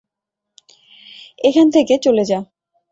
এখান থেকে চলে যা।